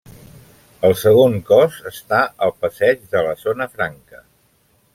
El segon cos està al passeig de la Zona Franca.